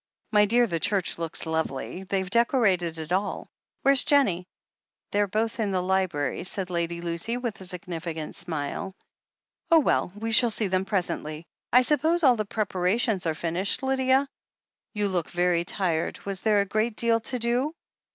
My dear, the church looks lovely — ^they've decorated it all. Where's Jennie?" "They're both in the library," said Lady Lucy with a significant smile. "Oh, well, we shall see them presently. I suppose all the preparations are finished, Lydia? You look very tired. Was there a great deal to do?"